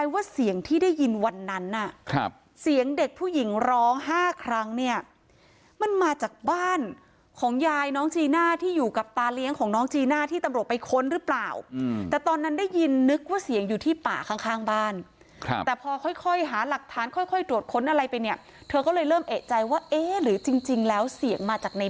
ว่าเสียงที่ได้ยินวันนั้นน่ะครับเสียงเด็กผู้หญิงร้องห้าครั้งเนี่ยมันมาจากบ้านของยายน้องจีน่าที่อยู่กับตาเลี้ยงของน้องจีน่าที่ตำรวจไปค้นหรือเปล่าแต่ตอนนั้นได้ยินนึกว่าเสียงอยู่ที่ป่าข้างข้างบ้านครับแต่พอค่อยค่อยหาหลักฐานค่อยตรวจค้นอะไรไปเนี่ยเธอก็เลยเริ่มเอกใจว่าเอ๊ะหรือจริงแล้วเสียงมาจากใน